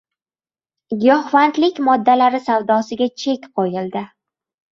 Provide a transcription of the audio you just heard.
Giyohvandlik moddalari savdosiga chek qo’yildi